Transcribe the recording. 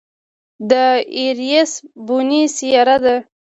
د ایرېس بونې سیاره ده.